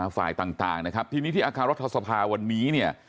ฝ่ายต่างนะครับทีนี้ที่อาคารรัฐสภาวันนี้เนี่ย